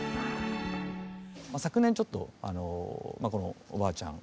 昨年ちょっとこのおばあちゃん